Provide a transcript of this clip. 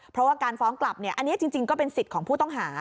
เพราะว่าการฟ้องกลับอันนี้จริงก็เป็นสิทธิ์ของผู้ต้องหา